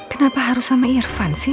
kenapa harus sama irfan sih